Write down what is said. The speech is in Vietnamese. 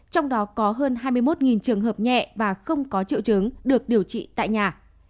trong đó có hơn hai mươi một trường hợp nhẹ và không có triệu chứng được điều trị tại nhà